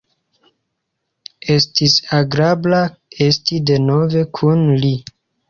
Estis agrabla esti denove kun li.